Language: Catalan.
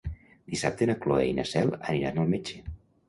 Dissabte na Cloè i na Cel aniran al metge.